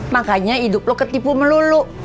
makanya hidup lo ketipu melulu